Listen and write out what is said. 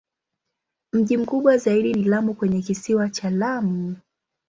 Mji mkubwa zaidi ni Lamu kwenye Kisiwa cha Lamu.